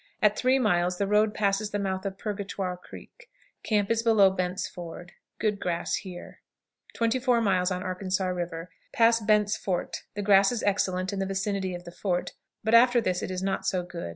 At three miles the road passes the mouth of Purgatoire Creek. Camp is below Bent's Fort. Good grass here. 24. Arkansas River. Pass Bent's Fort. The grass is excellent in the vicinity of the fort, but after this it is not so good.